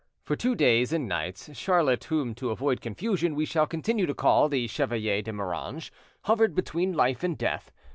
For two days and nights, Charlotte, whom to avoid confusion we shall continue to call the Chevalier de Moranges, hovered between life and death.